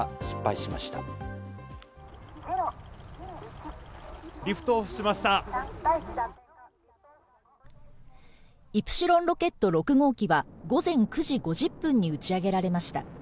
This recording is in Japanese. イプシロンロケット６号機は午前９時５０分に打ち上げられました。